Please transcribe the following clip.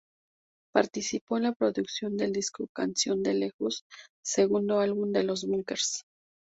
Participó en la producción del disco Canción de lejos, segundo álbum de Los Bunkers.